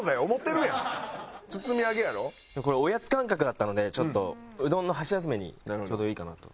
これおやつ感覚だったのでちょっとうどんの箸休めにちょうどいいかなと。